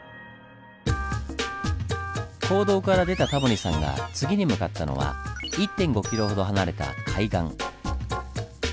坑道から出たタモリさんが次に向かったのは１．５ｋｍほど離れた海岸。